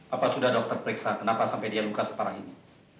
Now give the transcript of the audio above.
apa sudah dokter periksa kenapa sampai dia luka separah ini